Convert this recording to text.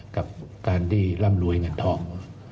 กับการที่ร่ำรวยเงินทอง